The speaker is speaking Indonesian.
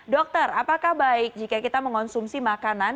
dokter apakah baik jika kita mengonsumsi makanan